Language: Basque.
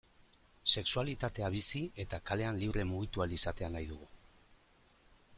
Sexualitatea bizi eta kalean libre mugitu ahal izatea nahi dugu.